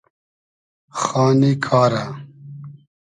خانی کارۂ